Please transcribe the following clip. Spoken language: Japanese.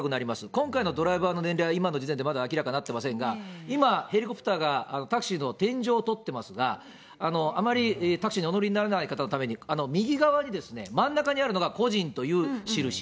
今回のドライバーの年齢は、今の時点でまだ明らかになっていませんが、今、ヘリコプターがタクシーの天井を撮ってますが、あまりタクシーにお乗りにならない方のために、右側に、真ん中にあるのが個人というしるし。